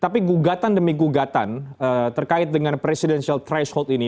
tapi gugatan demi gugatan terkait dengan presidensial threshold ini